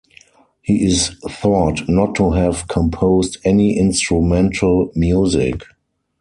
He is thought not to have composed any instrumental music.